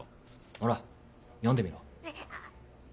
ほら読んでみろ。